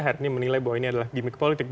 hari ini menilai bahwa ini adalah gimik politik